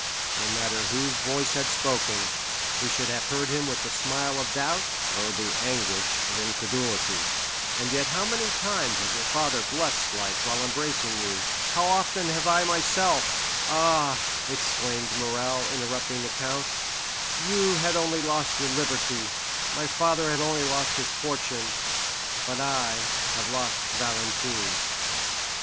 '—no matter whose voice had spoken, we should have heard him with the smile of doubt, or the anguish of incredulity,—and yet how many times has your father blessed life while embracing you—how often have I myself——" "Ah," exclaimed Morrel, interrupting the count, "you had only lost your liberty, my father had only lost his fortune, but I have lost Valentine."